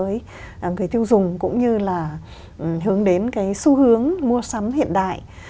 với người tiêu dùng cũng như là hướng đến cái xu hướng mua sắm hiện đại